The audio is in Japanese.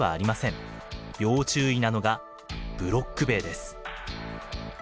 要注意なのがブロック塀です。